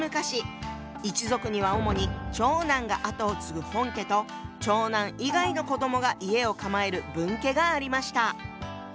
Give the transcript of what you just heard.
一族には主に長男が跡を継ぐ「本家」と長男以外の子どもが家を構える「分家」がありました。